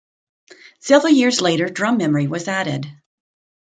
Several years later drum memory was added.